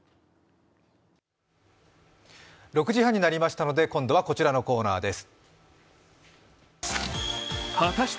６時半になりましたので、今度はこちらのコーナーです。